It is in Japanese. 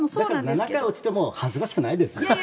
７回落ちても恥ずかしくないですよ。